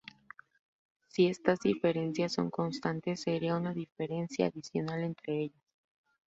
Si estas diferencias son constantes, sería una diferencia adicional entre ellas.